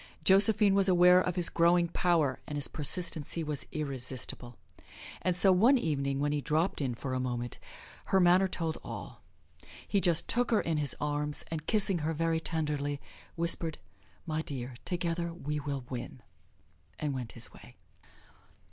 Josephine was aware of his growing power, and his persistency was irresistible; and so one evening when he dropped in for a moment, her manner told all. He just took her in his arms, and kissing her very tenderly whispered, "My dear, together we will win," and went his way.